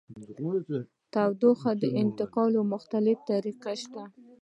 د تودوخې د انتقال مختلفې طریقې شته.